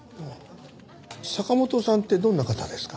坂本さんってどんな方ですか？